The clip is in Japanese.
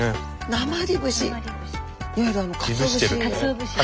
なまり節いわゆるかつお節。